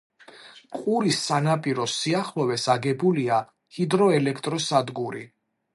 ყურის სანაპიროს სიახლოვეს აგებულია ჰიდროელექტროსადგური.